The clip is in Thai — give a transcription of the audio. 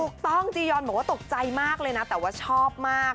จียอนบอกว่าตกใจมากเลยนะแต่ว่าชอบมาก